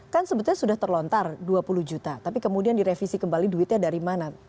kan sebetulnya sudah terlontar dua puluh juta tapi kemudian direvisi kembali duitnya dari mana